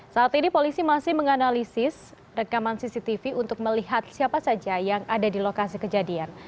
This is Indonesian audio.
saat ini polisi masih menganalisis rekaman cctv untuk melihat siapa saja yang ada di lokasi kejadian